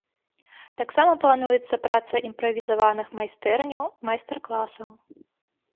Таксама плануецца праца імправізаваных майстэрняў, майстар-класаў.